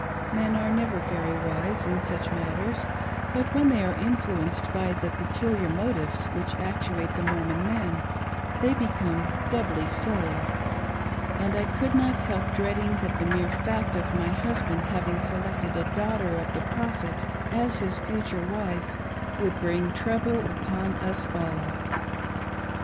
Men are never very wise in such matters, but when they are influenced by the peculiar motives which actuate the Mormon men they become doubly' silly ; and I could not help dreading that the mere fact of my husband having selected a daughter of the Prophet as his future wife would bring trouble upon us all.